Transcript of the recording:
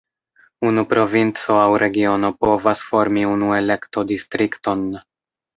Unu provinco aŭ regiono povas formi unu elekto-distrikton.